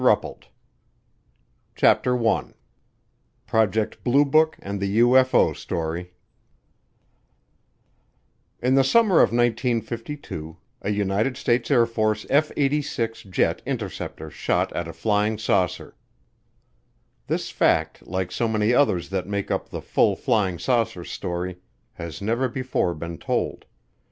RUPPELT CHAPTER ONE Project Blue Book and the UFO Story In the summer of 1952 a United States Air Force F 86 jet interceptor shot at a flying saucer. This fact, like so many others that make up the full flying saucer story, has never before been told.